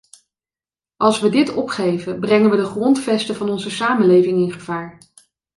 Als we dit opgeven brengen we de grondvesten van onze samenleving in gevaar.